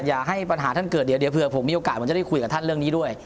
อย่าให้ปัญหาท่านเกิดเดี๋ยวเผื่อผมมีโอกาสผมจะได้คุยกับท่านเรื่องนี้ด้วย